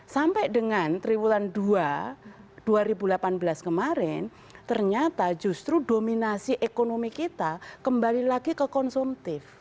sampai dengan triwulan dua dua ribu delapan belas kemarin ternyata justru dominasi ekonomi kita kembali lagi ke konsumtif